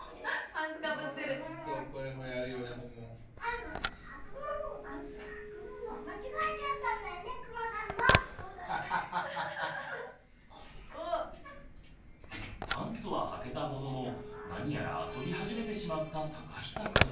パンツははけたものの何やら遊び始めてしまったたかひさくん。